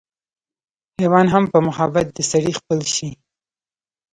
حېوان هم پۀ محبت د سړي خپل شي